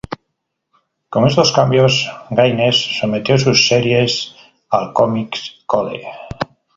Con estos cambios, Gaines sometió sus series al Comics Code.